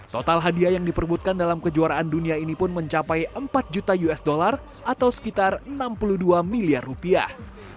total hadiah yang diperbutkan dalam kejuaraan dunia ini pun mencapai empat juta usd atau sekitar enam puluh dua miliar rupiah